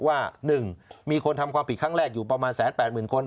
ว่า๑มีคนทำความผิดครั้งแรกอยู่ประมาณ๑๘๐๐๐คน